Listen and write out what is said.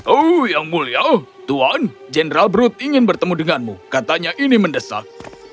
oh yang mulia tuan general brut ingin bertemu denganmu katanya ini mendesak